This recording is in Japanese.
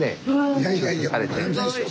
いやいやいや全然。